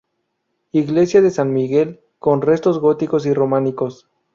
Iglesia de San Miguel, con restos góticos y románicos.